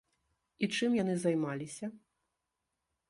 І чым яны займаліся?